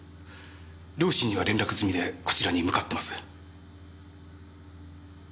両親には連絡済みでこちらに向かってます。